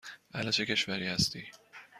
اهل چه کشوری هستی؟